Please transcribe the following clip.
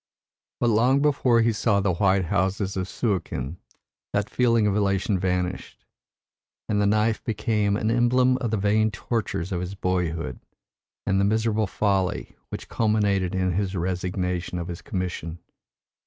But long before he saw the white houses of Suakin that feeling of elation vanished, and the knife became an emblem of the vain tortures of his boyhood and the miserable folly which culminated in his resignation of his commission.